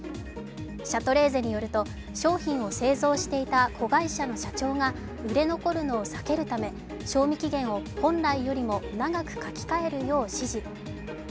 シャトレーゼによると商品を製造していた子会社の社長が売れ残るのを避けるため、賞味期限を本来よりも長く書き換えるよう指示。